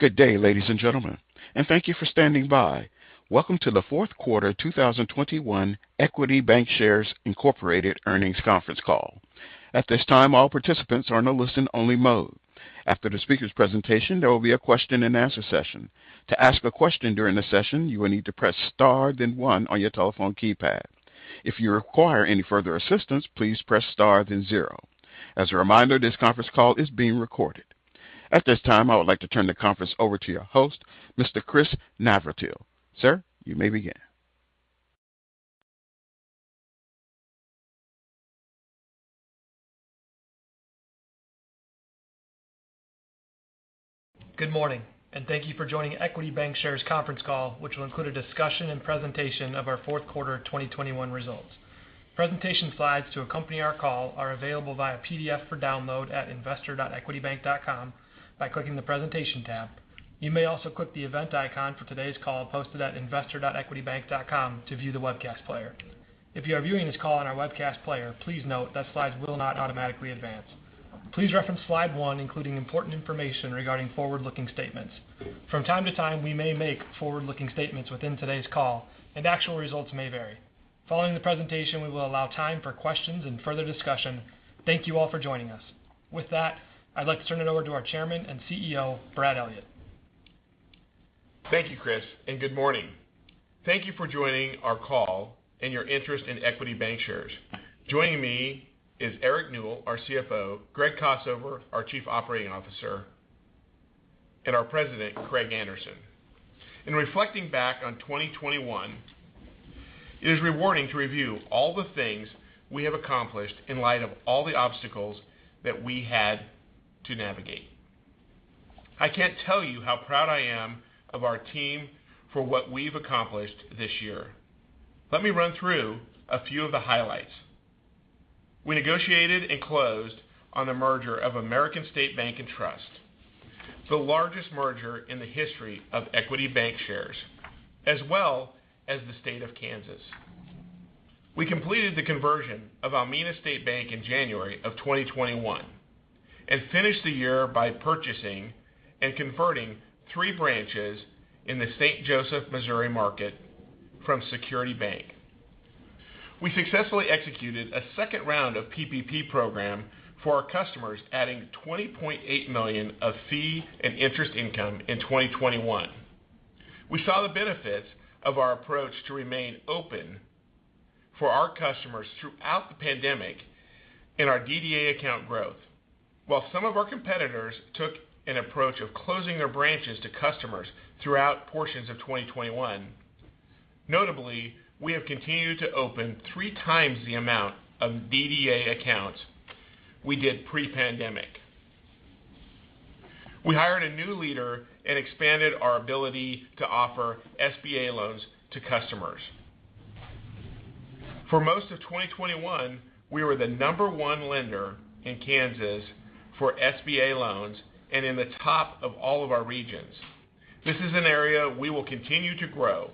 Good day, ladies and gentlemen, and thank you for standing by. Welcome to the Fourth Quarter 2021 Equity Bancshares, Incorporated Earnings Conference Call. At this time, all participants are in a listen only mode. After the speaker's presentation, there will be a question-and-answer session. To ask a question during the session, you will need to press star, then one on your telephone keypad. If you require any further assistance, please press star, then zero. As a reminder, this conference call is being recorded. At this time, I would like to turn the conference over to your host, Mr. Chris Navratil. Sir, you may begin. Good morning, and thank you for joining Equity Bancshares conference call, which will include a discussion and presentation of our fourth quarter 2021 results. Presentation slides to accompany our call are available via PDF for download at investor.equitybank.com by clicking the Presentation tab. You may also click the event icon for today's call posted at investor.equitybank.com to view the webcast player. If you are viewing this call on our webcast player, please note that slides will not automatically advance. Please reference slide 1, including important information regarding forward-looking statements. From time to time, we may make forward-looking statements within today's call and actual results may vary. Following the presentation, we will allow time for questions and further discussion. Thank you all for joining us. With that, I'd like to turn it over to our Chairman and CEO, Brad Elliott. Thank you, Chris, and good morning. Thank you for joining our call and your interest in Equity Bancshares. Joining me is Eric Newell, our CFO, Greg Kossover, our Chief Operating Officer, and our President, Craig Anderson. In reflecting back on 2021, it is rewarding to review all the things we have accomplished in light of all the obstacles that we had to navigate. I can't tell you how proud I am of our team for what we've accomplished this year. Let me run through a few of the highlights. We negotiated and closed on the merger of American State Bank and Trust, the largest merger in the history of Equity Bancshares, as well as the State of Kansas. We completed the conversion of Almena State Bank in January of 2021 and finished the year by purchasing and converting three branches in the St. Joseph, Missouri market from Security Bank. We successfully executed a second round of PPP program for our customers, adding $20.8 million of fee and interest income in 2021. We saw the benefits of our approach to remain open for our customers throughout the pandemic in our DDA account growth. While some of our competitors took an approach of closing their branches to customers throughout portions of 2021, notably, we have continued to open 3x the amount of DDA accounts we did pre-pandemic. We hired a new leader and expanded our ability to offer SBA loans to customers. For most of 2021, we were the number one lender in Kansas for SBA loans and in the top of all of our regions. This is an area we will continue to grow.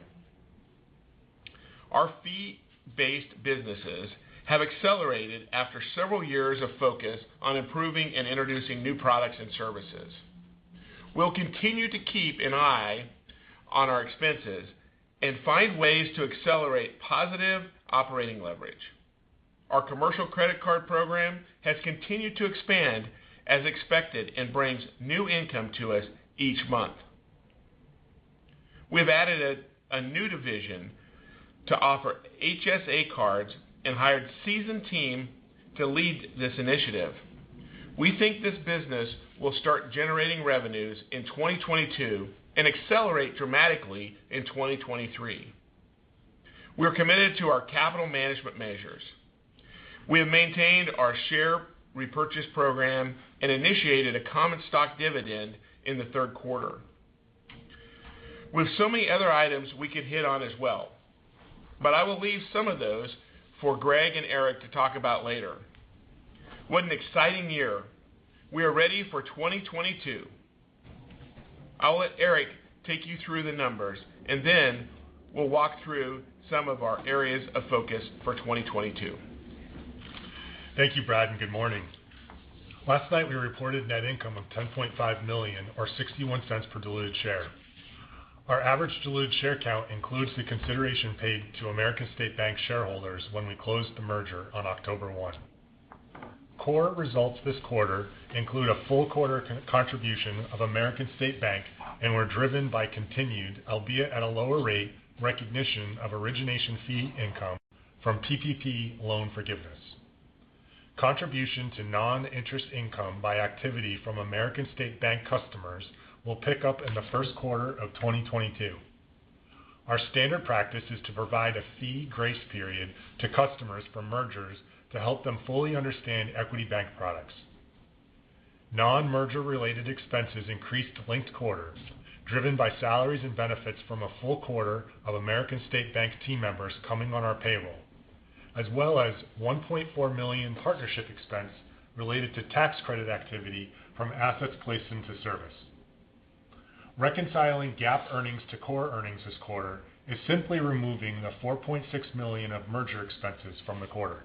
Our fee-based businesses have accelerated after several years of focus on improving and introducing new products and services. We'll continue to keep an eye on our expenses and find ways to accelerate positive operating leverage. Our commercial credit card program has continued to expand as expected and brings new income to us each month. We've added a new division to offer HSA cards and hired a seasoned team to lead this initiative. We think this business will start generating revenues in 2022 and accelerate dramatically in 2023. We're committed to our capital management measures. We have maintained our share repurchase program and initiated a common stock dividend in the third quarter. With so many other items we could hit on as well, but I will leave some of those for Greg and Eric to talk about later. What an exciting year. We are ready for 2022. I'll let Eric take you through the numbers, and then we'll walk through some of our areas of focus for 2022. Thank you, Brad, and good morning. Last night, we reported net income of $10.5 million or $0.61 cents per diluted share. Our average diluted share count includes the consideration paid to American State Bank shareholders when we closed the merger on October 1. Core results this quarter include a full quarter contribution of American State Bank and were driven by continued, albeit at a lower rate, recognition of origination fee income from PPP loan forgiveness. Contribution to non-interest income by activity from American State Bank customers will pick up in the first quarter of 2022. Our standard practice is to provide a fee grace period to customers for mergers to help them fully understand Equity Bank products. Non-merger-related expenses increased linked quarters, driven by salaries and benefits from a full quarter of American State Bank team members coming on our payroll, as well as $1.4 million partnership expense related to tax credit activity from assets placed into service. Reconciling GAAP earnings to core earnings this quarter is simply removing the $4.6 million of merger expenses from the quarter.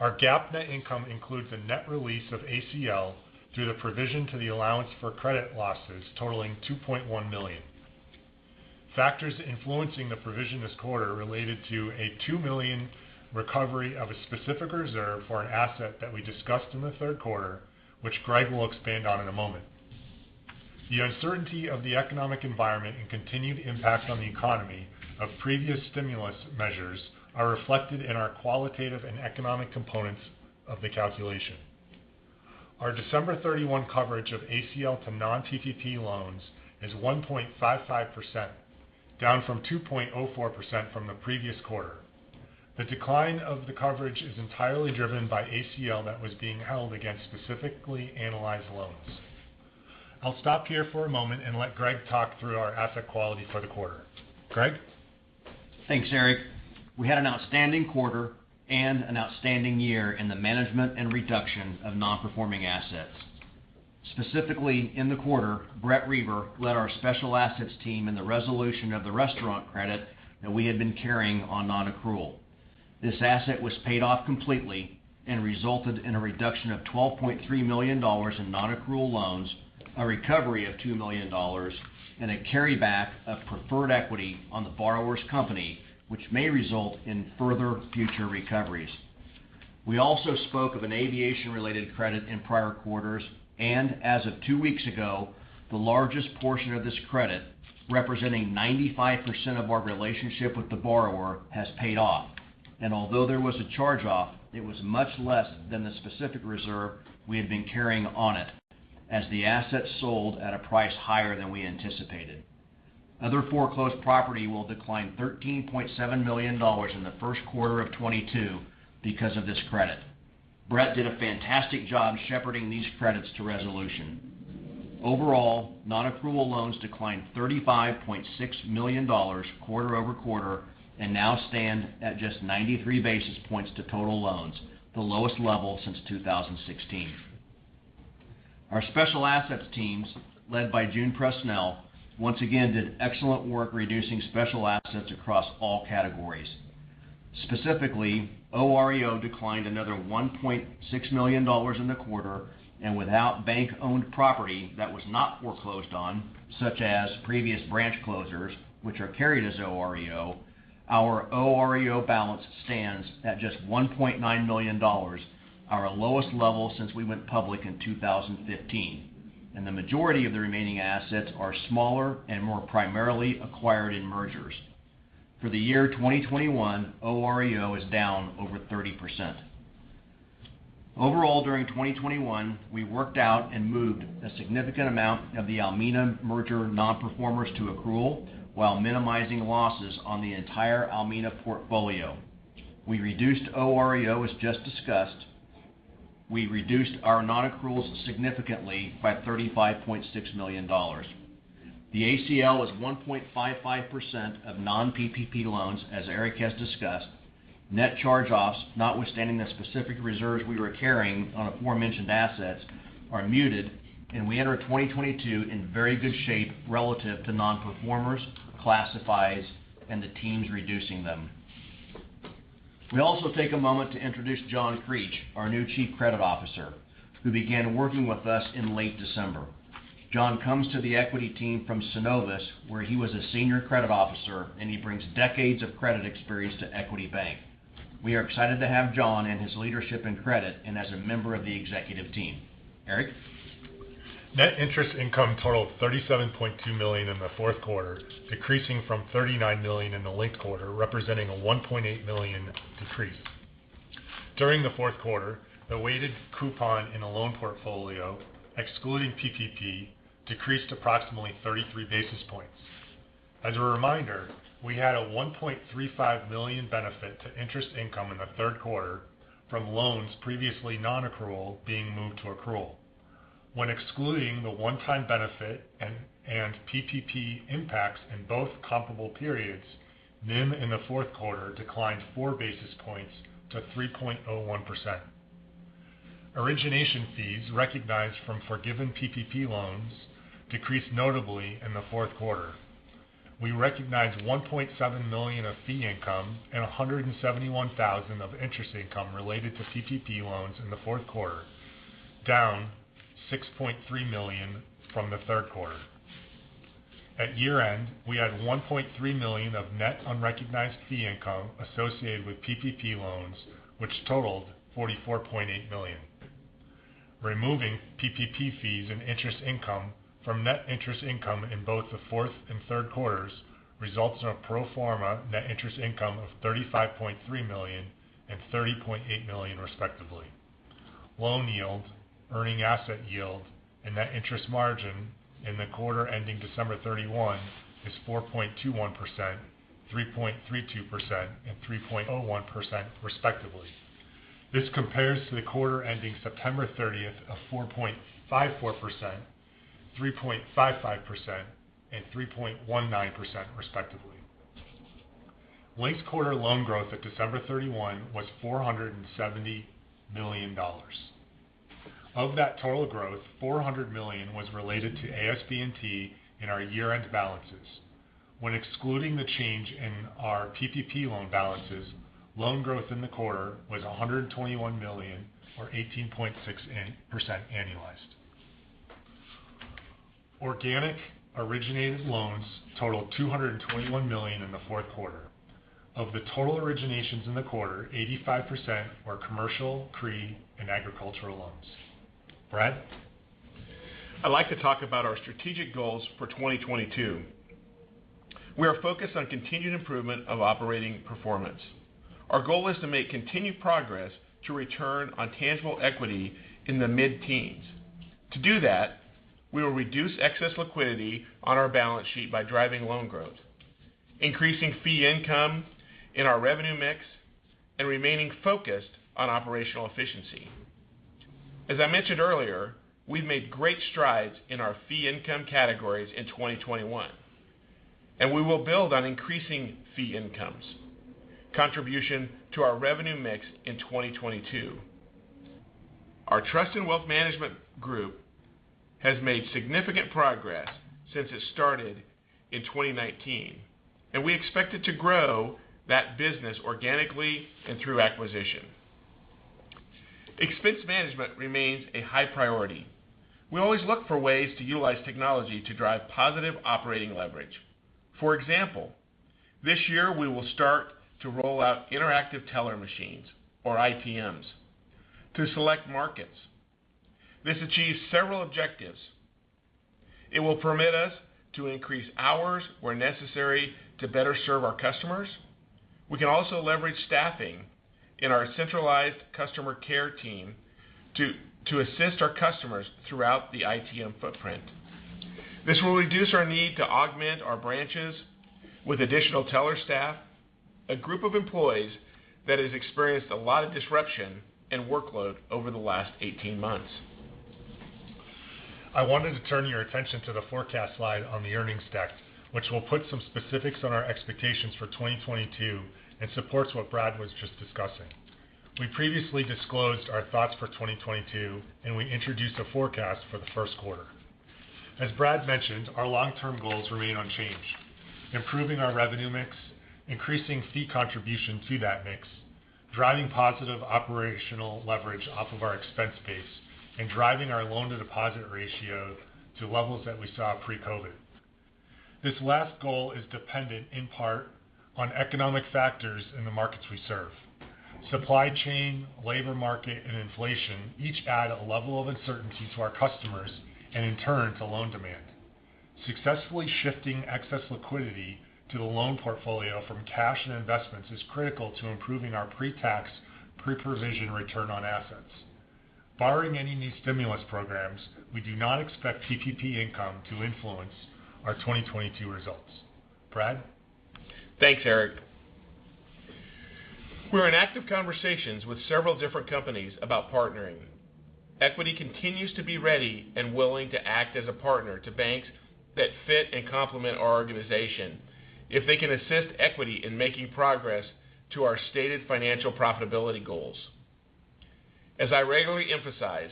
Our GAAP net income includes a net release of ACL through the provision to the allowance for credit losses totaling $2.1 million. Factors influencing the provision this quarter related to a $2 million recovery of a specific reserve for an asset that we discussed in the third quarter, which Greg will expand on in a moment. The uncertainty of the economic environment and continued impact on the economy of previous stimulus measures are reflected in our qualitative and economic components of the calculation. Our December 31 coverage of ACL to non-PPP loans is 1.55%, down from 2.04% from the previous quarter. The decline of the coverage is entirely driven by ACL that was being held against specifically analyzed loans. I'll stop here for a moment and let Greg talk through our asset quality for the quarter. Greg? Thanks, Eric. We had an outstanding quarter and an outstanding year in the management and reduction of non-performing assets. Specifically, in the quarter, Brett Reber led our special assets team in the resolution of the restaurant credit that we had been carrying on non-accrual. This asset was paid off completely and resulted in a reduction of $12.3 million in non-accrual loans, a recovery of $2 million, and a carryback of preferred equity on the borrower's company, which may result in further future recoveries. We also spoke of an aviation-related credit in prior quarters, and as of two weeks ago, the largest portion of this credit, representing 95% of our relationship with the borrower, has paid off. Although there was a charge-off, it was much less than the specific reserve we had been carrying on it, as the asset sold at a price higher than we anticipated. Other foreclosed property will decline $13.7 million in the first quarter of 2022 because of this credit. Brett did a fantastic job shepherding these credits to resolution. Overall, non-accrual loans declined $35.6 million quarter-over-quarter, and now stand at just 93 basis points to total loans, the lowest level since 2016. Our special assets teams, led by June Presnell, once again did excellent work reducing special assets across all categories. Specifically, OREO declined another $1.6 million in the quarter, and without bank-owned property that was not foreclosed on, such as previous branch closures, which are carried as OREO, our OREO balance stands at just $1.9 million, our lowest level since we went public in 2015. The majority of the remaining assets are smaller and more primarily acquired in mergers. For the year 2021, OREO is down over 30%. Overall, during 2021, we worked out and moved a significant amount of the Almena merger nonperformers to accrual while minimizing losses on the entire Almena portfolio. We reduced OREO, as just discussed. We reduced our nonaccruals significantly by $35.6 million. The ACL is 1.55% of non-PPP loans, as Eric has discussed. Net charge-offs, notwithstanding the specific reserves we were carrying on aforementioned assets, are muted, and we enter 2022 in very good shape relative to nonperformers, classifies, and the teams reducing them. We also take a moment to introduce John Creech, our new Chief Credit Officer, who began working with us in late December. John comes to the Equity team from Synovus, where he was a Senior Credit Officer, and he brings decades of credit experience to Equity Bank. We are excited to have John and his leadership in credit and as a member of the Executive Team. Eric? Net interest income totaled $37.2 million in the fourth quarter, decreasing from $39 million in the linked quarter, representing a $1.8 million decrease. During the fourth quarter, the weighted coupon in the loan portfolio, excluding PPP, decreased approximately 33 basis points. As a reminder, we had a $1.35 million benefit to interest income in the third quarter from loans previously nonaccrual being moved to accrual. When excluding the one-time benefit and PPP impacts in both comparable periods, NIM in the fourth quarter declined 4 basis points to 3.01%. Origination fees recognized from forgiven PPP loans decreased notably in the fourth quarter. We recognized $1.7 million of fee income and $171,000 of interest income related to PPP loans in the fourth quarter, down $6.3 million from the third quarter. At year-end, we had $1.3 million of net unrecognized fee income associated with PPP loans, which totaled $44.8 million. Removing PPP fees and interest income from net interest income in both the fourth and third quarters results in a pro forma net interest income of $35.3 million and $30.8 million, respectively. Loan yield, earning asset yield, and net interest margin in the quarter ending December 31 is 4.21%, 3.32%, and 3.01%, respectively. This compares to the quarter ending September 30th of 4.54%, 3.55%, and 3.19%, respectively. Linked-quarter loan growth at December 31 was $470 million. Of that total growth, $400 million was related to ASB&T in our year-end balances. When excluding the change in our PPP loan balances, loan growth in the quarter was $121 million or 18.6% annualized. Organic originated loans totaled $221 million in the fourth quarter. Of the total originations in the quarter, 85% were commercial, CRE, and agricultural loans. Brad? I'd like to talk about our strategic goals for 2022. We are focused on continued improvement of operating performance. Our goal is to make continued progress to return on tangible equity in the mid-teens. To do that, we will reduce excess liquidity on our balance sheet by driving loan growth, increasing fee income in our revenue mix, and remaining focused on operational efficiency. As I mentioned earlier, we've made great strides in our fee income categories in 2021, and we will build on increasing fee incomes, contribution to our revenue mix in 2022. Our trust and wealth management group has made significant progress since it started in 2019, and we expect it to grow that business organically and through acquisition. Expense management remains a high priority. We always look for ways to utilize technology to drive positive operating leverage. For example, this year we will start to roll out interactive teller machines or ITMs to select markets. This achieves several objectives. It will permit us to increase hours where necessary to better serve our customers. We can also leverage staffing in our centralized customer care team to assist our customers throughout the ITM footprint. This will reduce our need to augment our branches with additional teller staff, a group of employees that has experienced a lot of disruption and workload over the last 18 months. I wanted to turn your attention to the forecast slide on the earnings deck, which will put some specifics on our expectations for 2022 and supports what Brad was just discussing. We previously disclosed our thoughts for 2022, and we introduced a forecast for the first quarter. As Brad mentioned, our long-term goals remain unchanged. Improving our revenue mix, increasing fee contribution to that mix, driving positive operational leverage off of our expense base, and driving our loan-to-deposit ratio to levels that we saw pre-COVID. This last goal is dependent in part on economic factors in the markets we serve. Supply chain, labor market, and inflation each add a level of uncertainty to our customers and in turn to loan demand. Successfully shifting excess liquidity to the loan portfolio from cash and investments is critical to improving our pre-tax, pre-provision return on assets. Barring any new stimulus programs, we do not expect PPP income to influence our 2022 results. Brad? Thanks, Eric. We're in active conversations with several different companies about partnering. Equity continues to be ready and willing to act as a partner to banks that fit and complement our organization if they can assist Equity in making progress to our stated financial profitability goals. As I regularly emphasize,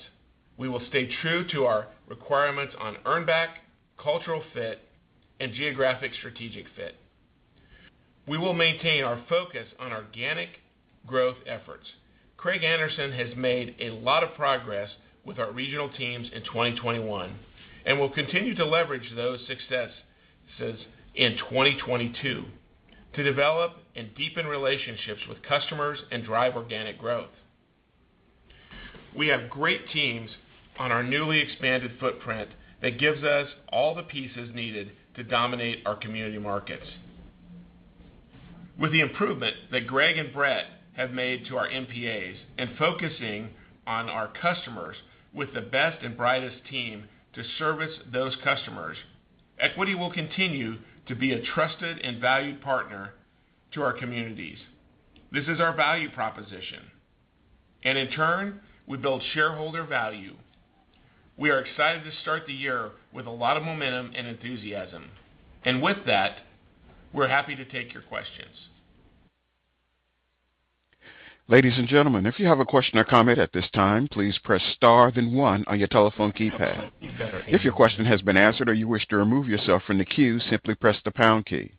we will stay true to our requirements on earn back, cultural fit, and geographic strategic fit. We will maintain our focus on organic growth efforts. Craig Anderson has made a lot of progress with our regional teams in 2021 and will continue to leverage those successes in 2022 to develop and deepen relationships with customers and drive organic growth. We have great teams on our newly expanded footprint that gives us all the pieces needed to dominate our community markets. With the improvement that Greg and Brett have made to our NPAs and focusing on our customers with the best and brightest team to service those customers, Equity will continue to be a trusted and valued partner to our communities. This is our value proposition, and in turn, we build shareholder value. We are excited to start the year with a lot of momentum and enthusiasm. With that, we're happy to take your questions. Ladies and gentlemen, if you have a question or comment at this time, please press star then one on your telephone keypad. If your question has been answered or you wish to remove yourself from the queue, simply press the pound key.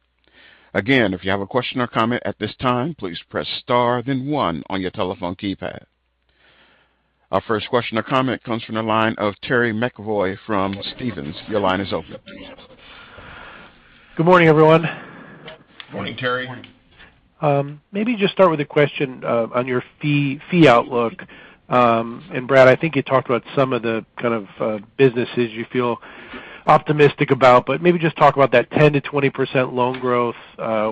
Again, if you have a question or comment at this time, please press star then one on your telephone keypad. Our first question or comment comes from the line of Terry McEvoy from Stephens. Your line is open. Good morning, everyone. Morning, Terry. Morning. Maybe just start with a question on your fee outlook. Brad, I think you talked about some of the kind of businesses you feel optimistic about, but maybe just talk about that 10%-20% loan growth,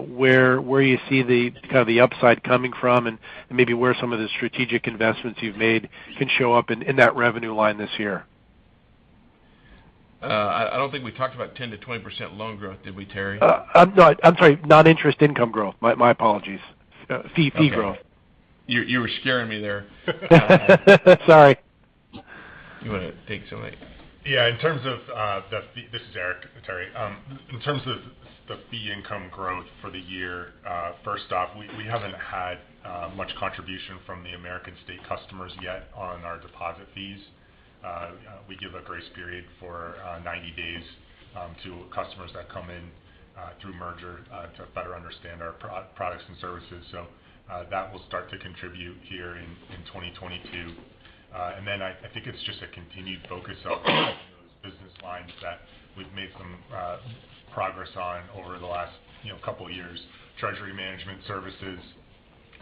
where you see the kind of the upside coming from and maybe where some of the strategic investments you've made can show up in that revenue line this year. I don't think we talked about 10%-20% loan growth, did we, Terry? No, I'm sorry. Non-interest income growth. My apologies. Fee growth. Okay. You were scaring me there. Sorry. You want to take some of it? Yeah. In terms of this is Eric, Terry. In terms of the fee income growth for the year, first off, we haven't had much contribution from the American State customers yet on our deposit fees. We give a grace period for 90 days to customers that come in through merger to better understand our products and services. So, that will start to contribute here in 2022. And then I think it's just a continued focus on those business lines that we've made some progress on over the last, you know, couple of years. Treasury management services,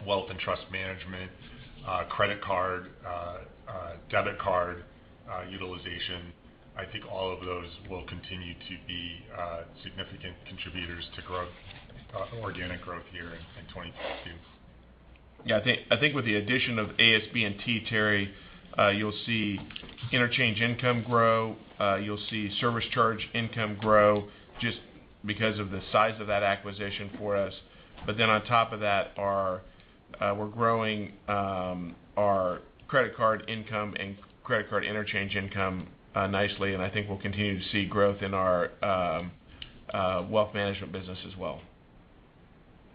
wealth and trust management, credit card, debit card utilization. I think all of those will continue to be significant contributors to organic growth here in 2022. Yeah. I think with the addition of ASB&T, Terry, you'll see interchange income grow. You'll see service charge income grow just because of the size of that acquisition for us. But then on top of that, we're growing our credit card income and credit card interchange income nicely. I think we'll continue to see growth in our wealth management business as well.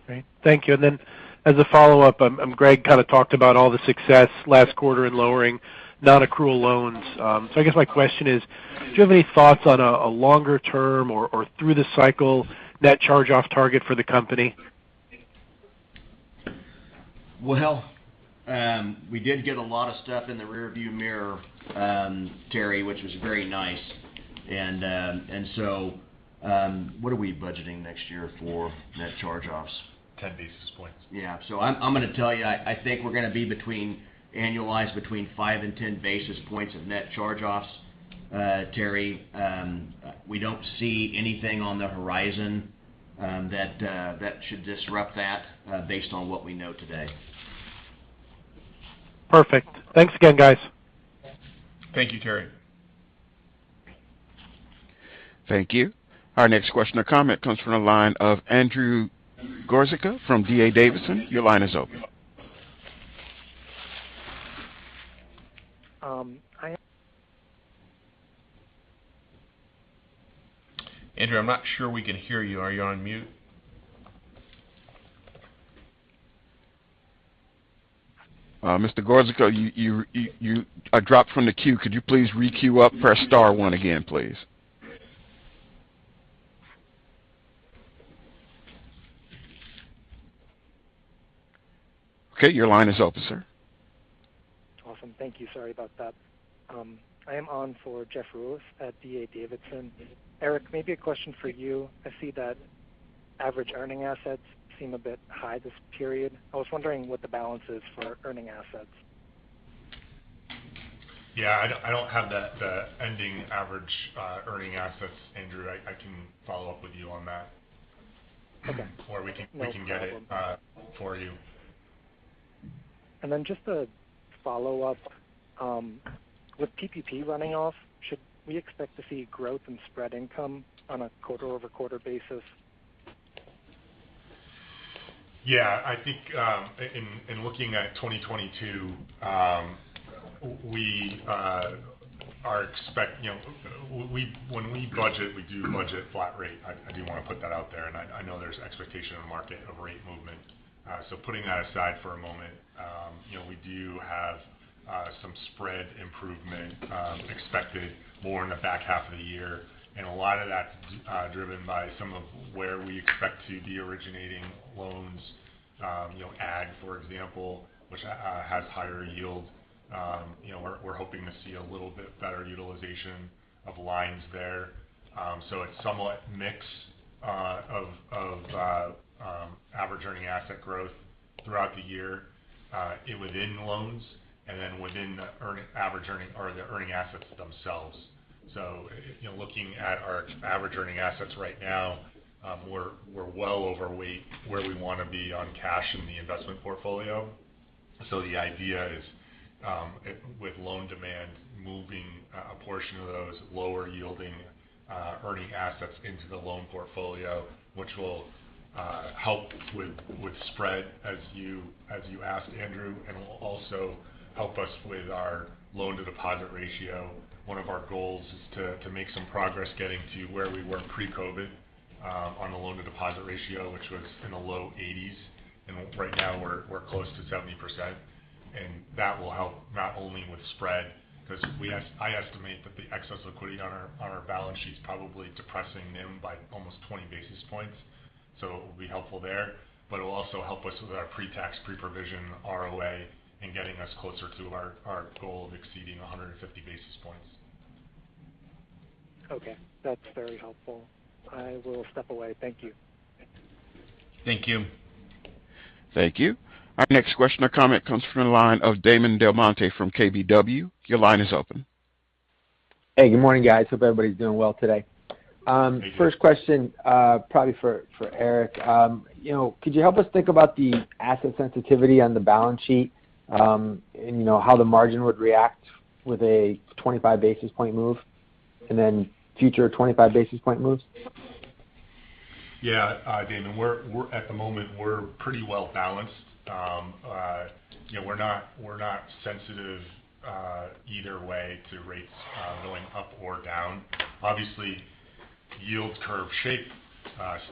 Great. Thank you. As a follow-up, Greg kind of talked about all the success last quarter in lowering non-accrual loans. I guess my question is, do you have any thoughts on a longer term or through the cycle net charge-off target for the company? Well, we did get a lot of stuff in the rearview mirror, Terry, which was very nice. So, what are we budgeting next year for net charge-offs? 10 basis points. I'm going to tell you, I think we're going to be annualized between 5 and 10 basis points of net charge-offs, Terry. We don't see anything on the horizon that should disrupt that, based on what we know today. Perfect. Thanks again, guys. Thank you, Terry. Thank you. Our next question or comment comes from the line of Andrew Gorzica from D.A. Davidson. Your line is open. Andrew, I'm not sure we can hear you. Are you on mute? Mr. Gorzica, you, you are dropped from the queue. Could you please re-queue up? Press star one again, please. Okay, your line is open, sir. Awesome. Thank you. Sorry about that. I am on for Jeff Rulis at D.A. Davidson. Eric, maybe a question for you. I see that average earning assets seem a bit high this period. I was wondering what the balance is for earning assets. Yeah. I don't have the ending average earning assets, Andrew. I can follow up with you on that. Okay. We can get it for you. Just a follow-up. With PPP running off, should we expect to see growth in spread income on a quarter-over-quarter basis? Yeah. I think in looking at 2022, you know, when we budget, we do budget flat rate. I do want to put that out there, and I know there's expectation in the market of rate movement. Putting that aside for a moment, you know, we do have some spread improvement expected more in the back half of the year. A lot of that driven by some of where we expect to be originating loans, you know, ag, for example, which has higher yield. You know, we're hoping to see a little bit better utilization of lines there. It's somewhat mix of average earning asset growth throughout the year, within loans and then within the average earning assets themselves. You know, looking at our average earning assets right now, we're well overweight where we want to be on cash in the investment portfolio. The idea is, with loan demand moving a portion of those lower yielding earning assets into the loan portfolio, which will help with spread, as you asked, Andrew, and will also help us with our loan-to-deposit ratio. One of our goals is to make some progress getting to where we were pre-COVID, on the loan-to-deposit ratio, which was in the low 80s. Right now we're close to 70%. That will help not only with spread because I estimate that the excess liquidity on our balance sheet is probably depressing NIM by almost 20 basis points. It will be helpful there, but it will also help us with our pre-tax, pre-provision ROA in getting us closer to our goal of exceeding 150 basis points. Okay. That's very helpful. I will step away. Thank you. Thank you. Thank you. Our next question or comment comes from the line of Damon DelMonte from KBW. Your line is open. Hey, good morning, guys. Hope everybody's doing well today. First question, probably for Eric. You know, could you help us think about the asset sensitivity on the balance sheet, and you know, how the margin would react with a 25 basis point move and then future 25 basis point moves? Yeah. Damon, at the moment, we're pretty well balanced. you know, we're not sensitive either way to rates going up or down. Obviously, yield curve shape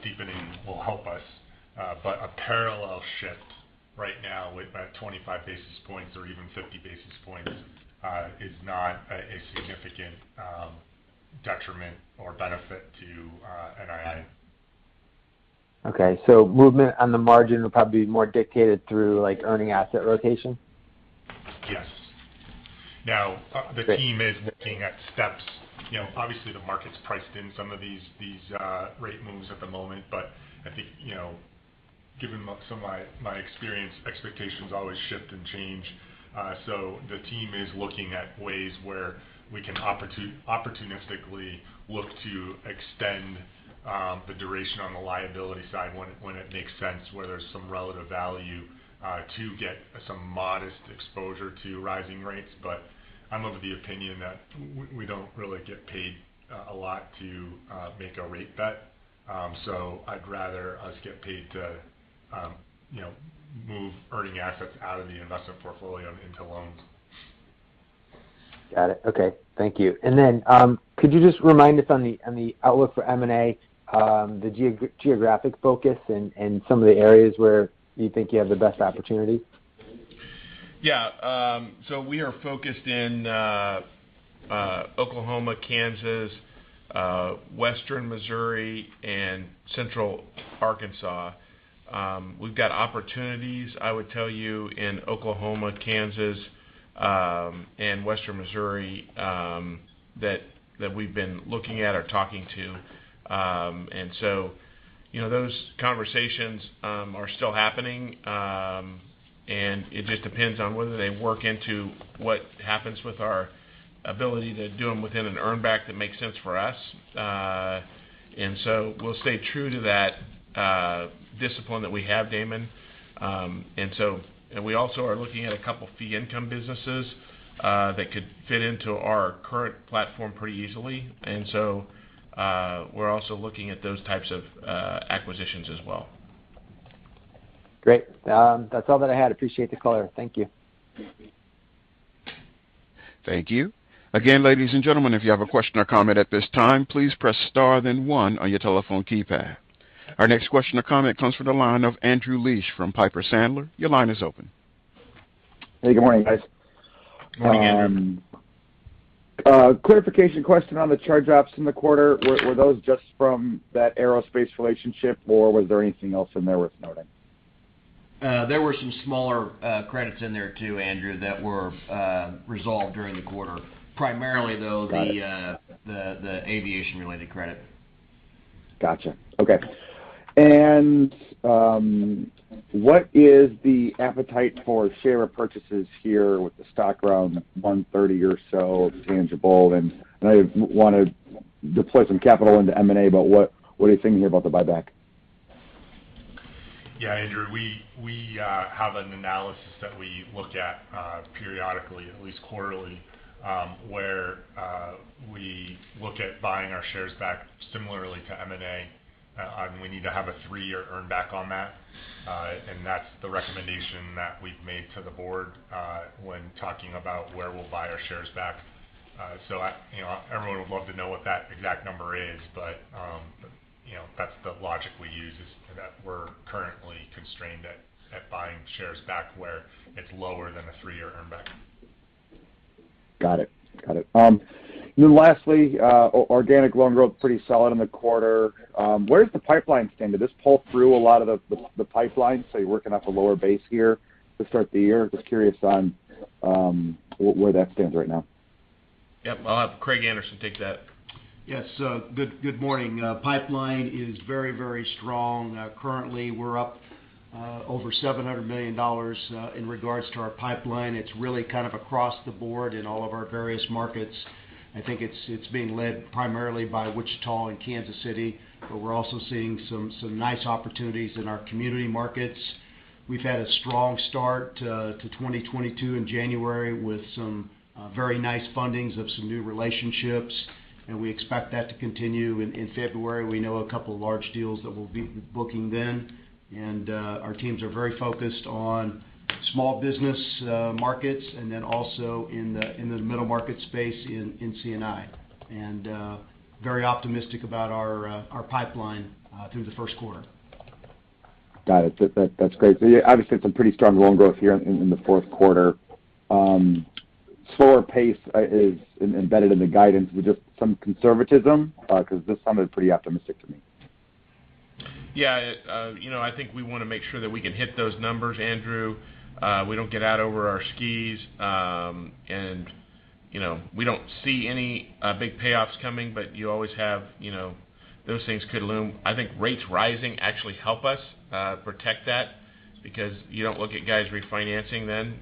steepening will help us. A parallel shift right now with about 25 basis points or even 50 basis points is not a significant detriment or benefit to NII. Okay. Movement on the margin will probably be more dictated through, like, earning asset rotation? Yes. Now, the team is looking at steps. Obviously, the market's priced in some of these rate moves at the moment. I think, you know, given some of my experience, expectations always shift and change. The team is looking at ways where we can opportunistically look to extend the duration on the liability side when it makes sense, where there's some relative value to get some modest exposure to rising rates. I'm of the opinion that we don't really get paid a lot to make a rate bet. I'd rather us get paid to, you know, move earning assets out of the investment portfolio into loans. Got it. Okay. Thank you. Could you just remind us on the outlook for M&A, the geographic focus and some of the areas where you think you have the best opportunity? Yeah. We are focused in Oklahoma, Kansas, Western Missouri, and Central Arkansas. We've got opportunities, I would tell you, in Oklahoma, Kansas, and Western Missouri, that we've been looking at or talking to. You know, those conversations are still happening. It just depends on whether they work into what happens with our ability to do them within an earn back that makes sense for us. We'll stay true to that discipline that we have, Damon. We also are looking at a couple fee income businesses that could fit into our current platform pretty easily. We're also looking at those types of acquisitions as well. Great. That's all that I had. Appreciate the color. Thank you. Thank you. Again, ladies and gentlemen, if you have a question or comment at this time, please press star then one on your telephone keypad. Our next question or comment comes from the line of Andrew Liesch from Piper Sandler. Your line is open. Hey, good morning, guys. Good morning, Andrew. A clarification question on the charge-offs in the quarter. Were those just from that aerospace relationship, or was there anything else in there worth noting? There were some smaller credits in there too, Andrew, that were resolved during the quarter. Primarily, though the aviation-related credit. Gotcha. Okay. What is the appetite for share repurchases here with the stock around $130 or so tangible? I want to deploy some capital into M&A, but what are you thinking about the buyback? Yeah. Andrew, we have an analysis that we look at periodically, at least quarterly, where we look at buying our shares back similarly to M&A. We need to have a three-year earn back on that. That's the recommendation that we've made to the board when talking about where we'll buy our shares back. I, you know, everyone would love to know what that exact number is. You know, that's the logic we use is that we're currently constrained at buying shares back where it's lower than a three-year earn back. Got it. Organic loan growth pretty solid in the quarter. Where does the pipeline stand? Did this pull through a lot of the pipeline, so you're working off a lower base here to start the year? Just curious on where that stands right now. Yep. I'll have Craig Anderson take that. Yes. Good morning. Pipeline is very strong. Currently, we're up over $700 million in regards to our pipeline. It's really kind of across the board in all of our various markets. I think it's being led primarily by Wichita and Kansas City, but we're also seeing some nice opportunities in our community markets. We've had a strong start to 2022 in January with some very nice fundings of some new relationships, and we expect that to continue in February. We know a couple large deals that we'll be booking then. Our teams are very focused on small business markets and then also in the middle market space in C&I. Very optimistic about our pipeline through the first quarter. Got it. That's great. Obviously some pretty strong loan growth here in the fourth quarter. Slower pace is embedded in the guidance with just some conservatism? Because this sounded pretty optimistic to me. Yeah. You know, I think we wanna make sure that we can hit those numbers, Andrew. We don't get out over our skis. You know, we don't see any big payoffs coming, but you always have, you know, those things could loom. I think rates rising actually help us protect that because you don't look at guys refinancing then.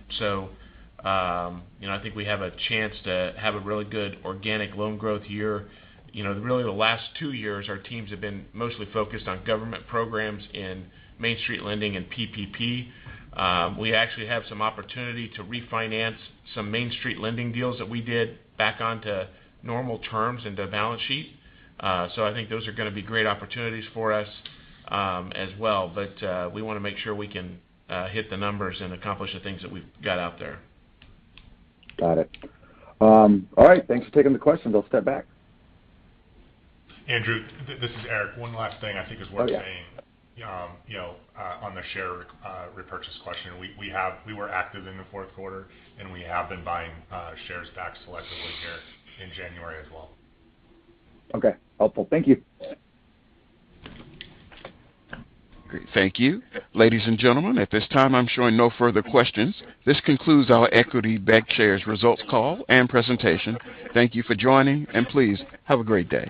You know, I think we have a chance to have a really good organic loan growth year. You know, really the last two years, our teams have been mostly focused on government programs in Main Street lending and PPP. We actually have some opportunity to refinance some Main Street lending deals that we did back onto normal terms into the balance sheet. I think those are gonna be great opportunities for us, as well. We wanna make sure we can hit the numbers and accomplish the things that we've got out there. Got it. All right. Thanks for taking the question. We'll step back. Andrew, this is Eric. One last thing I think is worth saying. Oh, yeah. You know, on the share repurchase question, we were active in the fourth quarter, and we have been buying shares back selectively here in January as well. Okay. Helpful. Thank you. Great. Thank you. Ladies and gentlemen, at this time, I'm showing no further questions. This concludes our Equity Bancshares results call and presentation. Thank you for joining, and please have a great day.